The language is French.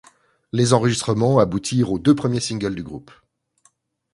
Les enregistrements aboutirent aux deux premiers singles du groupe.